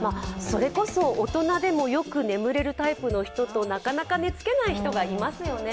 それこそ、大人でもよく眠れるタイプの人と、なかなか寝つけない人がいますよね。